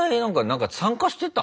何か参加してた？